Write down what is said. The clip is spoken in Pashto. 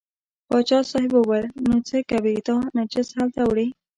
پاچا صاحب وویل نو څه کوې دا نجس هلته وړې.